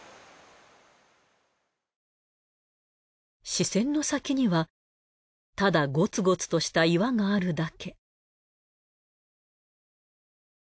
視線の先にはただゴツゴツとした岩があるだけ。